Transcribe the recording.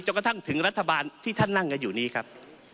กระทั่งถึงรัฐบาลที่ท่านนั่งกันอยู่นี้ครับ